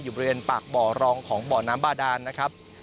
บริเวณปากบ่อรองของบ่อน้ำบาดานนะครับ